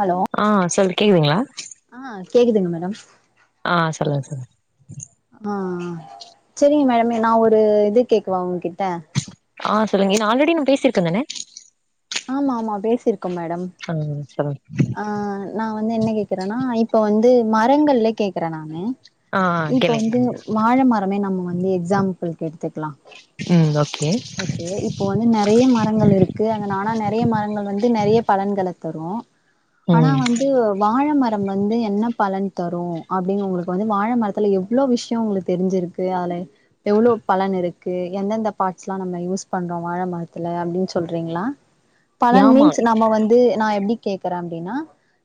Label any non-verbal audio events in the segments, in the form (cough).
Hello ஆ சொல்லு கேட்குதுங்களா ஆ கேக்குதுங்க மேடம் ஆ சொல்லுங் சொல்லுங் ஆ செரிங்க மே நா ஒரு இது கேக்கவா உங்கிட்ட ஆ சொல்லுங்க இத ஆல்ரெடி நா பேசிருக்க தான ஆமா ஆமா பேசிருக்கோ மேடம் சொல்லுங் சொல்லுங் ஆ நா வந்து என்ன கேக்கறனா இப்ப வந்து மரங்கள்ல கேக்கற நானு ஆ இப்ப கேளுங்க வந்து கேளுங்க வாழ மரமே நம்ம வந்து எக்ஸாம்பிள்கு எடுத்துக்கலா ம் ஓகே கே இப்போ வந்து நெறைய மரங்கள் இருக்கு ஆனா நெறைய மரங்கள் வந்து நெறைய பலன்களத் தரு ஆனா ம் வந்து வாழ ம ரம் வந்து என்ன பலன் தரு அப்டின் உங்களுக்கு வந்து வாழ மரத்துல எவ்ளோ விஷ்யோ உங்களுக் தெரிஞ்சிருக்கு அதுல எவ்ளோ பலன் இருக்கு எந்தெந்த பாட் ஸ்லா நம்ம யூஸ் பண்றோ வாழ மரத்தல அப்டின் சொல்றீங்களா பலன் ஆமா மீன்ஸ் நம்ம வந்து நா எப்டி கேக்கற அப்டினா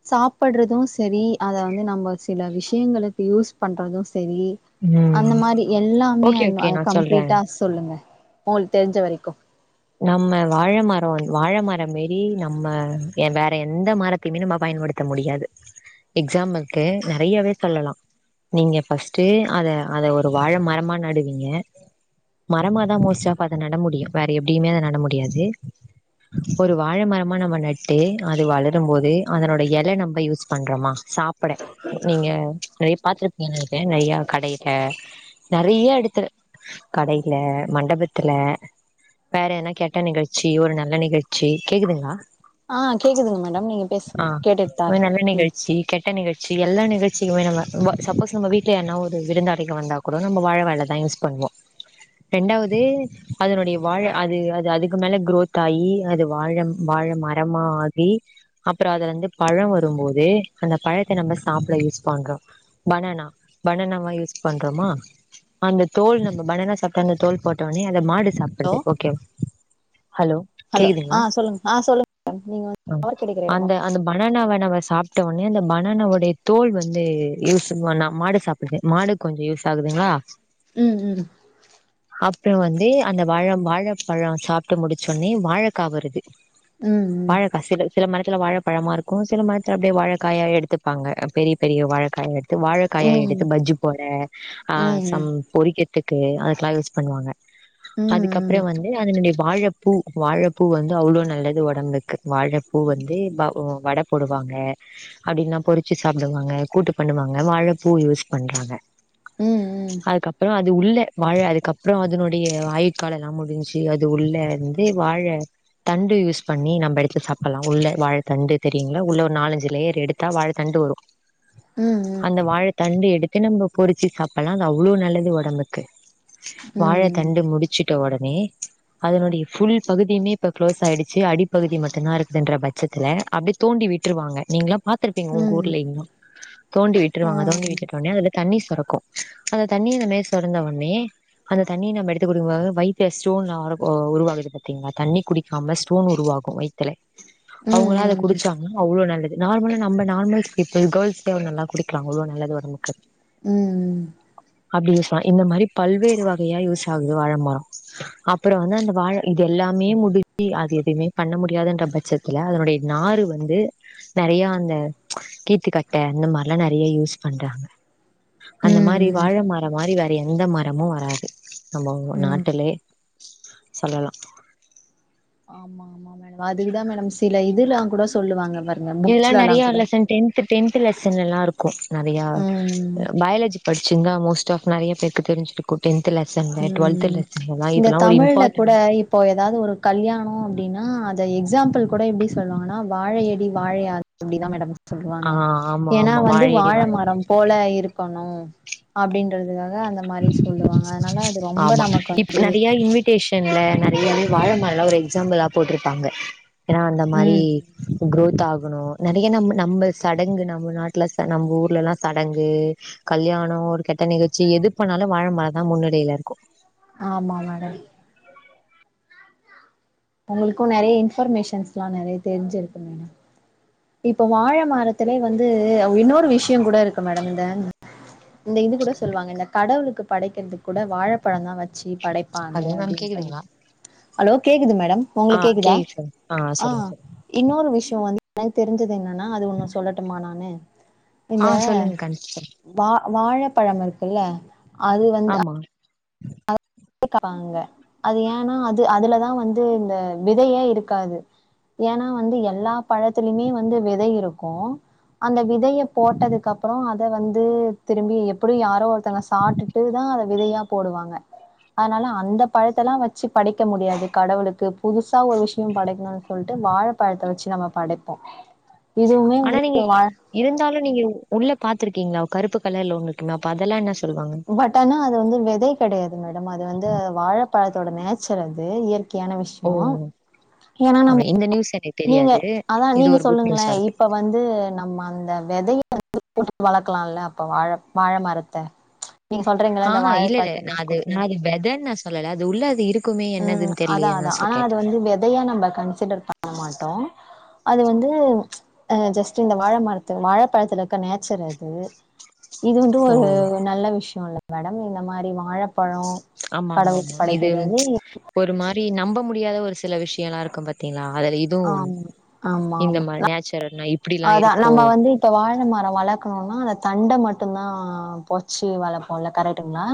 சாப்பற்றது செரி அத வந்து நம்ம சில விஷ்யங்களுக்கு யூஸ் பண்றது செரி அந்த ம் மாரி எல்லாமே ஓகே அந் ஓகே அ நா சொல்றே கம்ப்ளீட்டா சொல்லுங்க உங்களு தெரிஞ்ச வரைக்கூ நம்ம வாழ மரொ வாழ மரோ மேரி நம்ம வேற எந்த மரத் திருப்பி நம்ம பயன்படுத்த முடியாது எக்ஸாம்க்கு நெறயாவே சொல்லலா நீங்க ஃபஸ்ட்டு அத அத ஒரு வாழ மரமா நடுவீங்க மரமாதா மோஸ்ட் ஆஃப் அத நட முடியூ வேற எப்டியுமே அத நட முடியாது ஒரு வாழ மரமா நம்ம நட்டு அது வளரூ போது அதனோட எல நம்ம யூஸ் பண்றமா சாப் பட நீங்க நெறைய பாத்திருப் எங்க கிட்ட நெறயா கடையிருக்கே நெறைய எடுத்து கடையில மண்டபத்துல வேற எத்னா கெட்ட நிகழ்ச்சி ஒரு நல்ல நிகழ்ச்சி கேக்குதுங்ளா ஆ கேக்குதுங்க மேடம் நீங்க பேசுங்க கேட்டுட்டுதா ஒரு இருக்கோ நல்ல ம் நிகழ்ச்சி கெட்ட நிகழ்ச்சி எல்லா நிகழ்ச்சிக்குமே நம்ம ப சப்போஸ் நம்ம வீட்ல யார்ன ஒரு விருந்தாளிங்க வந்தா கூட நம்ம வாழ வோண்டா தா யூஸ் பண்ணுவோ ரெண்டாவது அதனுடையப் வாழ அது அது அதுக்கு மேல க்ரோத் ஆகி அது வாழம் வாழ மரமா ஆகி அப்பறோ அதுல இருந்து பழ வரும்போது அந்த பழத்த நம்ம சாப்ட யூஸ் பண்றோ பணானா பணானாவா யூஸ் பண்றோமா அந்த தோல் நம்ம பணானா சாப்ட அந்த தோல் போட்டோட்னே அத மாடு சாப் படுது ஓகே ஹலோ ஹலோ ஆ கேக்குதுங்களா சொல்லுங்க ஆ சொல்லுங்க மேடம் நீங்க வந்து டவர் கெடைக்கிற எடமா அந்த அந்த பேசுங்க பணானாவ நாம சாப் ட்னே அந்த பணானாவுடைய தோல் வந்து யூஸ்வான மாடு சாப்பிடுது மாடு கொஞ்சொ யூஸ் ஆகுதுங்களா ம் ம் அப்புறோ வந்து அந்தப் வாழம் வாழப்பழம் சாப்ட்டு முடிச்சோடன்னே வாழக்கா வருது ம் வாழக்கா சில சில மரத்துல வாழப்பழமா இருக்கூ சில மரத்துல அப்டியே வாழக்காயா எடுத்துப்பாங்க பெரிய பெரிய வாழக்காயா எடுத் து வாழக்காய ம் எடுத்து பஜ்ஜி போட ஆ ம் சம் பொரிக்கிற்துக்கு அதுக்கெல்லா யூஸ் பண்ணுவாங்க ம் அதுக்கப்புறம் வந்து அதனுடைய வாழப்பூ வாழப்பூ வந்து அவ்ளோ நல்லது ஒடம்புக்கு வாழப் பூ வத்து வ வடப் போடுவாங்க அப்படினா பொறிச்சி சாப்பிடுவாங்க கூட்டு பண்ணுவாங்க வாழைப்பூ யூஸ் பண்வாங்க ம் ம் ம் அதுக்கப்புறோ அது உள்ள வாழ அதுக்கப்புறோ அதனுடைய ஆயுட் காலோலா முடிஞ்சு அது உள்ள இருந்து வாழ தண்டு யூஸ் பண்ணி நம்ம எடுத்து சாப்பிட்லா உள்ள வாழை தண்டு தெரியுங்களா உள்ள ஒரு நாலஞ்சு லேயர் எடுத் ல்லா வாழத்தண்டு வரூ ம் அந்த வாழை தண்டு எடுத்து நம்ம பொறிச்சு சாப்பட்லா அது அவ்ளோ நல்லது ஒடம்புக்கு ம் ம் வாழ தண்டு ம் முடிச்சிட்ட வுடனே அதனுடைய ஃபுல் பகுதியுமே இப்ப க்ளோஸ் ஆயிடுச்சு அடிப்பகுதி மட்டுந் தா இருக்குதுன்ற பட்சத்துல அப்படி தோண்டி விட்டுருவாங்க நீங்களா பாத்துருப்பீங்க ம் உங்க ம் ஊர்லயெல்லா தோண்டி விட்டுருவாங்க தோண்டி விட்டுருவாங்க ‌அது தோண்டி விட்டுருவுட்னோ தண்ணி சொரக்கூ அந்த தண்ணி அந்தமேரி சொரந்த வுட்னே அந்த தண்ணிய நம்ம எடுத்து குடிக்கும்போது வைத்த ஸ்டோன்னாருக்கோ உருவாகுது பாத்தீங்களா தண்ணி குடிக்காம ஸ்டோன் உருவாகும் வைத் த்ல ம் அவங்களா அத ம் ம் குடிச்சா அதூனா அவ்ளோ நல்லது நார்மலா நம்ம நார்மல்ஸ் பீப்பிள் கேர்ள்ஸ்லா நல்லா குடிக்கலா அவ்ளோ நல்லது ஒடம்புக்கு ம் ம் அப்டி யூஸாகூ இந்த மாதிரி பல்வேறு வகையா யூஸ் ஆகூ வாழமரோ அப்புறம் வந்து அந்த வாழ இது எல்லாமே முடிச்சி அது எதுவுமே பண்ண முடியாதுன்ற பட்சத் துல அதனுடைய நாறு வந்து நெறையா அந்த கீத்துக்கட்ட அந்த மாரிலாம் நெறைய யூஸ் பண்றாங்க அந்த மாரி வாழ ம் மரம் மாரி வேற எந்த மரமும் வராது நம்போ ம் நாட் சொல்லலா ஆமா ஆமா மேடம் அதுக்குதா மேடம் சில இதுலாம் கூட சொல்லுவாங்க பாருங்க புக்ஸ்லலாம் கூட து டென்த் லெசன்லல்லா இருக்கு நறையா ம் பயாலஜி படிச்சிருந்தா மோஸ்ட் ஆஃப் நெறைய பேருக்கு தெரிஞ்சுருக் கும் டென்த் லெசன்ல டுவெல்த் ம் லெசன்லலாம் இந்த இதுல்லாம் ஒரு தமிழ்ல கூட இம்பார்ட்டன்ட் இப்போ ஏதாவது ஒரு கல்யாணோ அப்புடின்னா அத எக்ஸாம்பிள் கூட எப்டி சொல்லுவாங்கன்னா வாழையடி வாழையா அப்டிதான் மேடம் சொல்லுவாங்க ஆ ஆமா ஏன்னா ஆமா வந்து வாழையடி வாழ மரம் போல இருக்கணும் அப்டின்றதுக்காக அந்த மாரி சொல்லுவா அதனால அது ரொம்ப நமக்கு வந்து அ இன்விடேஷன்ல நெறையவே வாழ மரலாம் ஒரு எக்ஸாம்பிளா போட்ருப்பாங்க ஏன்னா அந்த மாரி ம் குரோத் ஆகணும் நெறைய நம்ம நம்ப சடங்கு நம்ம நாட்ல ச நம்ப ஊர்லேல்லா சடங்கு கல்யாணோ ஒரு கெட்ட நிகழ்ச்சி எது பண்ணாலும் வாழை மரந்தா முன்னிலையில இருக்கு ஆமா மேடம் உங்களுக்கு நெறைய இன்ஃபர்மேஷன்ஸ்லா நெறைய தெரிஞ்சிருக்கு மேடம் இப்போ வாழ மரத்துலே வந்து அ இன்னொரு விஷயம் கூட இருக்கு மேடம் இந்த இந்த இது கூட சொல்வாங்க இந்த கடவுளுக்கு படைக்கிறதுக் கூட வாழப்பழந்தா வச்சி படைப் ப்பாங்க ஹலோ மேம் அப்டின்னு கேக்குதுங்களா சொல்லிட்டு ஹலோ கேக்குது மேடம் ஆ உங்களுக்கு கேக்குதா கேக்துங் ஆ சொல்லுங்க சொல்லுங்க இன்னொரு விஷயோ வந்து எனக்கு தெரிஞ்சது என்னன்னா அது ஒண்ணு சொல்லட்டுமா நானு ஆ இந்த (unintelligible) வா வாழைப்பழம் இருக்குல்ல அது வந்து அ ஆமா க்கறாங்க அது ஏன்னா அது அதுலதான் வந்து இந்த விதையே இருக்காது ஏன்னா வந்து எல்லா பழத்துலமே வந்து விதை இருக்கு அந்த விதைய போட்டதுக்கப்புறோ அத வந்து திரும்பி எப்புடியும் யாரோ ஒருத்தங்க சாப்ட்டுட்டுதா அத விதையா போடுவாங்க அதனால அந்த பழத்தலாம் வச்சு படைக்க முடியாது கடவுளுக்கு புதுசா ஒரு விஷயம் படைக்கணும்னு சொல்ட்டு வாழைப்பழத்த வச்சு நாம படைப்போ இதுவுமே ஆனா வந்து நீங்க ஏ இருந்தாலும் நீங்க உள்ள பாத்துருக்கீங்களா கருப்பு கலர்ல ஒன்னு இக்குங்களா அப்ப அதல்லா என்ன சொல்வாங்க பட் ஆனா அது வந்து விதை கெடையாது மேடம் அது வந்து வாழப்பழத்தோட நேச்சர் அது இயற்க் கையான ஓ விஷயோ ஏனா நம்ம இந்த நியூஸ் எடு நீங்க அதா நீங்க சொல்லுங்களே இப்ப வந்து நம்ம அந்த வெதைய (unintelligible) போட்டு வளக்குலால்ல அப்ப வாழ வாழ மரத்த நீங்க சொல்றீங்கல்ல ஆ இந்த ஆ இல்ல இல்ல நா வாழைப்பழத்துல அது நா குட்டியா அது வெதன்னு நா சொல்லல அது உள்ள அது இருக்குமே ம் என்னதுன் அதா அதா ஆனா அது வந்து வெதையா நம்ம கன்சிடர் பண்ண மாட்டோ அது வந்து அ ஜஸ்ட்டு இந்த வாழ மரத்து வாழைப்பழத்துல இருக்க நேச்சர் அது இது வந்து ஓ ஒரு நல்ல விஷயோ இல்ல மேடம் இந்த மாரி வாழப்பழோ ஆமா ஆமா ஆமா இது ஒரு மா ப்டி நம்ப முடியாத ஒரு சில விஷயலா இருக்கும் பாத்தீங்களா அதுல இத் துவு ஒன் ஆம் ஆமா இந்த ஆமா மாரி நேச்சுரல்னா இப்புடில்லா அதா இருக்கோ நம்ம வந்து இப்ப வாழ‌ மரம் வளக்குணும்னா அந்த தண்ட மட்டும்தா பொச்சி வளப்போம்ல கரெக்டுங்களா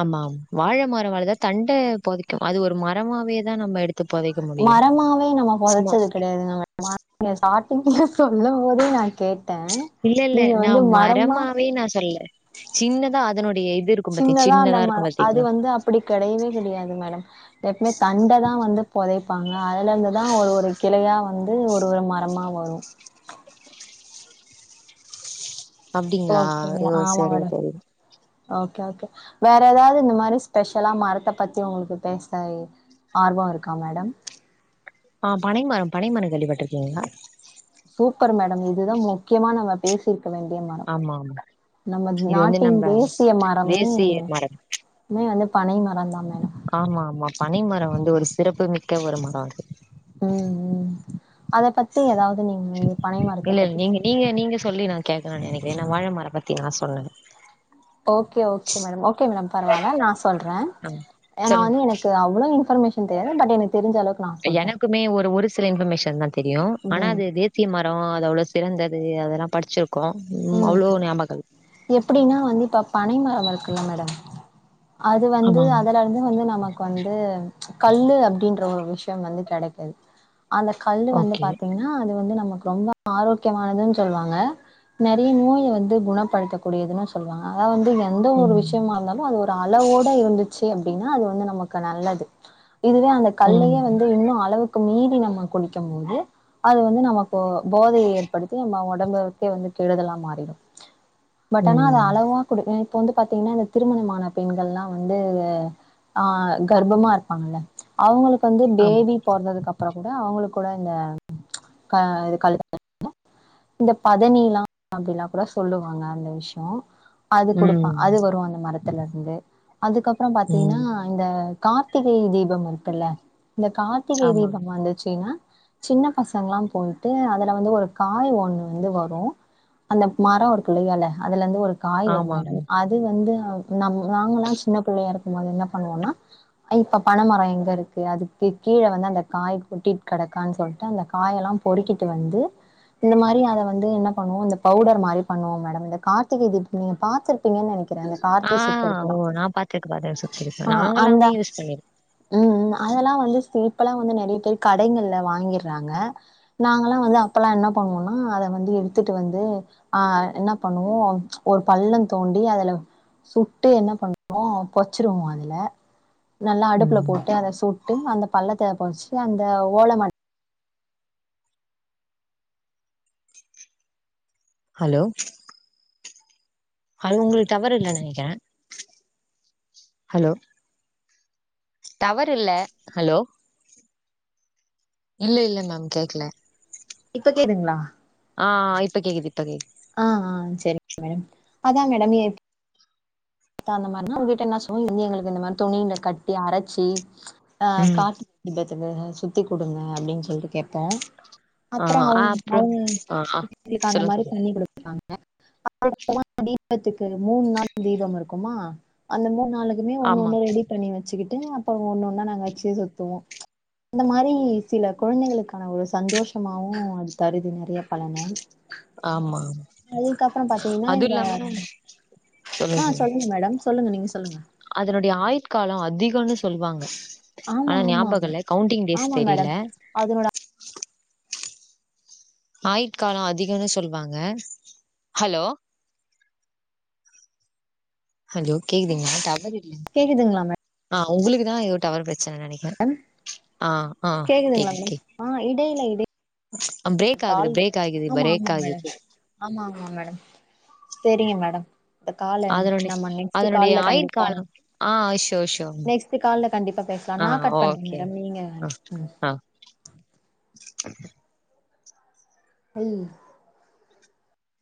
ஆமாம் வாழ மரோவளக தண்ட பொதைக்கோ அது ஒரு மரமாவே தா நம்ம எடுத் மரமாவே நம்ம பொதச்சது கெடையாது நம மா சடார்டிங்ல சொல்லு போதே நா கேட்ட இல்ல இல்ல நா மரமாவே நா சொல்ல சின்னதா அதனுடைய இருக்கும் பாத்தீங்க சின்னதா அந்த மா இருக்கும் அது பாத்தீங்களா வந்து அப்படி கெடையவே கெடையாது மேடம் எப்புமே தண்ட தா வந்து பொதைப்பாங்க அதுலந்து தா ஒரு ஒரு கிளையா வந்து ஒரு ஒரு மரமா வரு அப்படிங்களா ஓகேங்களா ஐயோ ஆமா சரி மேடம் சரி ஓகே ஓகே வேற ஏதாவது இந்த மாரி ஸ்பெஷலா மரத்த பத்தி உங்களுக்கு பேச ஆர்வோ இருக்கா மேடம் ஆ பனைமரம் பனைமரம் கேள்விப்பட்டுருக்கீங்களா சூப்பர் மேடம் இதுதா முக்கியமான பேசியிருக்க வேண்டிய மரம் ஆமா ஆமா நம்ம இது வந்து நாட்டின் நம்ம தேசிய மரமே தேசிய மரம் மே வந்து பனை மரம்தா மேடம் ஆமா ஆமா பனை மரம் வந்து ஒரு சிறப்புமிக்க ஒரு மரம் அது ம் ம் அத பத்தி ஏதாவது நீங்க பனை மரத்த பத்தி சொ யே நீங்க சொல்லி நா கேக்கனுனு நெனைக்கிற ஏன்னா வாழமர பத்தி நா சொன்ன okay okay madam okay madam பரவால்ல நா சொல்ற ஆ ஏன்னா சொல்லுங்க வந்து எனக் இவ்ளோ இன்ஃபர்மேன் தெரியாது பட் எனக்கு தெரிஞ்சளவுக்கு எனக்குமே ஒரு ஒரு சில இன்ஃபர்மேஷன் தா தெரியு ஆனா ம் அது தே த்தி மரோ அதோட சிறந்தது அதலா படிச்சிருக்கோ அவ்ளோ ஞாபகல் எப்படின்னா வந்து இப்ப பனை மரம் இருக்குல்ல மேடம் அது வந்து ஆமா ஆமா அதுல இருந்து வந்து நமக்கு வந்து கல்லு அப்படின்ற ஒரு விஷயம் வந்து கெடைக்குது அந்த கல்லு வந்து ஓகே பாத்தீங்கன்னா னா அது வந்து நமக்கு ரொம்ப ஆரோக்கியமானதுனு சொல்லுவாங்க நெறைய நோய வந்து குணப்படுத்தக்கூடியதுன்னு சொல்லுவாங்க அதாவ வந்து எந்த ஒரு ம் விஷ முக்கியமா இருந்தாலும் அது ஒரு அளவோட இருந்துச்சு அப்படின்னா அது வந்து நமக்கு நல்லது இதுவே அந்த ம் கல்லையே வந்து இன்னும் அளவுக்கு மீறி நம்ம குடிக்கும் போது அது வந்து நமக்கு போதையை ஏற்படுத்தி நம்ம ஒடம்புக்கே வந்து கெடுதலா மாறிடு பட் ஆனா அத ம் அளவா குடு நேத்து வந்து பாத்தீங்கனா இந்த திருமணமான பெண்கள்லா வந்து ஆ கர்ப்பமா இருப்பாங்கல்ல அவங்களுக்கு வந்து ஆமா பேபி பொறந்ததுக்கப்புறம் கூட அவங்களுக்கூட இந்த க இது கல் இந்த பதனிலா அப்டிலா கூட சொல்லுவாங்க அந்த விஷ்யோ அது குடுப்பா ம் அது வரும் அந்த மரத்துலருந்து அதுக்கப்புறம் பாத்தீங்கன்னா ம் இந்த கார்த்திகை தீபம் இருக்குல்ல இந்த கார்த் திகை ஆமா தீபம் வந்துச்சுன்னா சின்ன பசங்கல்லாம் போயிட்டு அதுல வந்து ஒரு காய் ஒண்ணு வந்து வரோ அந்த மரோ இருக்குல்ல எல அதுலருந்து ஒரு காய் வரும் மேடம் ஆமாங்க அது அது வந்து நம்ம நாங்கல்லாம் சின்ன பிள்ளையா இருக்கும்போது என்ன பண்ணுவோனா இப்ப பனமரம் எங்க இருக்கு அதுக் கீழ வந்து அந்த காய் கொட்டிட் கடக்கான் சொல்ட்டு அந்த காயல்லாம் பொறுக்கிட்டு வந்து இந்த மாரி அத வந்து என்ன பண்ணுவோம் இந்த பவுடர் மாறி பண்ணுவோம் மேடம் இந்த கார்த்திகை தீபம் நீங்க பாத்திருப்பீங்கன்னு நெனைக்கி அந்த ஆ கார்த்தி ஓ சுத்துரத்துலாம் நா பாத்துருக்கேன் பாத்துருக்கேன் சுத்திருக்கேன். ஆ அந்த நாங்களாமே யூஸ் உ உம் அதெல்லா வந்து சிம்பளா வந்து நெறைய பேர் கடைகள்ல வாங்கிறாங்க நாங்கள்லா வந்து அப்பல்லா என்ன பண்ணுவோனா அத வந்து எடுத் துட்டு வந்து ஆ என்ன பண்ணுவோ ஒரு பள்ளம் தோண்டி அதுல சுட்டு என்ன பண்ணுவோ பொர்ச்சுருவோ அதுல நல்லா பண்ணிருக்கோம் அடுப்புல ம் போட்டு அத சுட்டு அந்த பள்ளத்த பொதச்சுட்டு அந்த ஓல ம ஹலோ ஹலோ உங்கள் டவர் இல்ல நெனைக்கிறே ஹலோ டவர் இல்ல ஹலோ இல்ல இல்ல மேம் கேக்ல இப்ப கேதுங்ளா ஆ இப்பக்கேக்குது இப்பகே ஆ ஆ செரிங்க மேடம் அதா மேடம் எ த்தா அந்த மார்னா உங்ககிட்ட என்னா சொன்ன வந்து எங்களுக்கு இந்த மாரி துணில கட்டி அரச்சி ஆ கேக்குது காத்தி திபத்துக்கு சுத்தி குடுங்க அப்டின் சொல்ட்டு கேத்தோ ஆ அப்றோ ஆ அவுங் அப்றோ அவுங்க ஆ ஆ எங்ளுக்கு அந்த சொல்லுங்க மாரி சொல்லுங்க பண்ணி குடு ப்பாங்க அப்பல்லா தீபத்துக்கு மூண் நாள் தீபம் இரு (unintelligible) அந்த க்குமா அந்த மூண் நாளுக்குமே ஒன்னு ஆமா ஒன்னு ரெடி பண்ணி வச்சுகிட் டு அப்ப ஒன்னொன்னா நாங்க வச்சி சுத்துவோ அந்த மாரி சில குழந்தைகளுக்கான ஒரு சந்தோஷமாவு அது தருது நெறைய பலன ஆமா அதுக்கப்புறம் பாத்தீங்கனா அது இந்த இல்லாம ஆ சொல்லுங்க மேடம் சொல்லுங்க நீங்க சொல்லுங்க அதனுடைய ஆயிட்காலொ அதிகொன்னு சொல்வாங்க ஆமா, ஆனா ஞாபகல்ல கவுண்டிங் டேஸ் தெரில அதுனோட ஆயுட் காலொ அதிகொனு சொல்வாங்க ஹலோ ஹலோ கேக்குதுங்ளா டவர் இல்ல கேக்குதுங்ளா மே ஆ உங்குளுக்குதா எதோ டவர் பிரச்சன நெனக்கிறே ஆ ஆ கேக்குதுங்களா கேக்கு மேடம்? கே ஆ இடைல இடை ஆ ப்ரேக் ஆகுது ப்ரேக் ஆகிது ஆமா, ஆமா பரேக் மேடம். ஆகிது ஆமா ஆமா மேடம் சேரிங்க மேடம் இப்ப கால அதனுடைய நம்ம நெக்ஸ்ட்டு அதனுடைய கால்ல கண்டிப்பா ஆயுட்காலம் ஆ ஷோர் ஷோர் நெக்ஸ் ட்டு கால்ல கண்டிப்பா பேசலா ஆ நா கட் பண்றே ஓகே மேடம் நீங்க ஆ ம் ஆ அல்